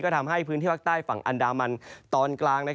ทำให้พื้นที่ภาคใต้ฝั่งอันดามันตอนกลาง